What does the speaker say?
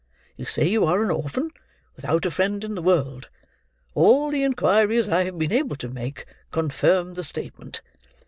You say you are an orphan, without a friend in the world; all the inquiries I have been able to make, confirm the statement.